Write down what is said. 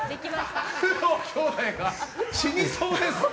工藤兄弟が死にそうです。